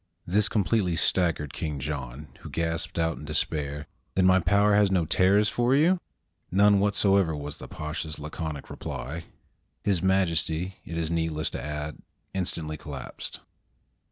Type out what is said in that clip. This completely staggered King John, who gasped out in despair, "Then my power has no terrors for you?" "None whatever," was the Pasha's laconic reply. His Majesty, it is needless to add, instantly collapsed.